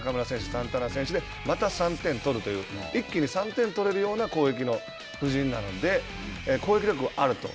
サンタナ選手でまた３点取るという一気に３点取れるような攻撃の布陣なので攻撃力があると。